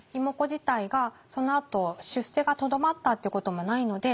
自体がそのあと出世がとどまったっていうこともないので。